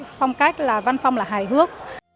phong cách là văn phong là hài hước